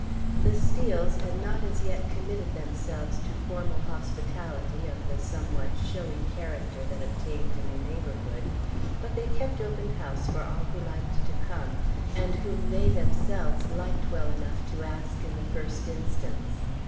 The Steels had not as yet committed themselves to formal hospitality of the somewhat showy character that obtained in the neighborhood, but they kept open house for all who liked to come, and whom they themselves liked well enough to ask in the first instance.